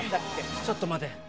ちょっと待て。